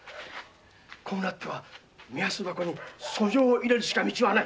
こうなっては目安箱に訴状を入れるしか道はない。